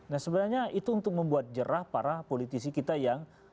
nah sebenarnya itu untuk membuat jerah para politisi kita yang